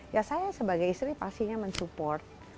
ya saya sebagai istri pastinya mensupport